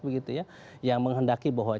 begitu ya yang menghendaki bahwa